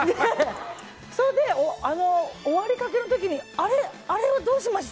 それで終わりかけの時にあれはどうしました？